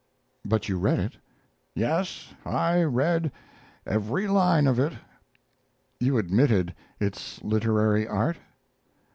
"But you read it?" "Yes, I read every line of it." "You admitted its literary art?"